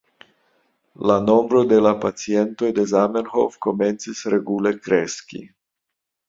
La nombro de la pacientoj de Zamenhof komencis regule kreski.